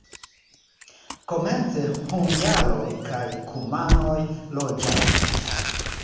Komence hungaroj kaj kumanoj loĝadis.